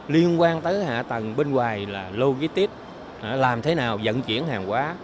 liên quan tới hạ tầng bên ngoài là logistic làm thế nào dẫn chuyển hàng hóa